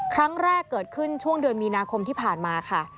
ครั้งแรกเกิดขึ้นช่วงเดือนมีนาคมที่ผ่านมาค่ะ